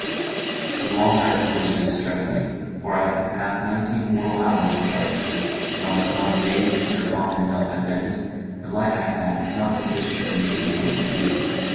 The long nights of winter distressed me, for I had to pass nineteen mortal hours in darkness; and on the cloudy days, which are common enough at Venice, the light I had was not sufficient for me to be able to read.